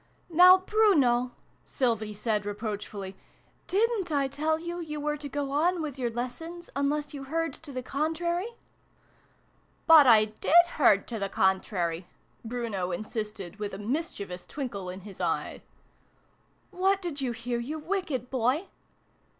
" Now, Bruno," Sylvie said reproachfully, " didn't I tell you you were to go on with your lessons, unless you heard to the contrary ?"" But I did heard to the contrary !" Bruno insisted, with a mischievous twinkle in his eye. " What did you hear, you wicked boy